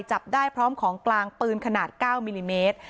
จับได้พร้อมของกลางปืนขนาด๙มิลลิเมตร